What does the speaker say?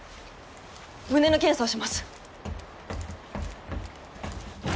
胸の検査をします。